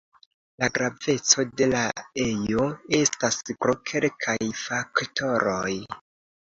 La graveco de la ejo estas pro kelkaj faktoroj.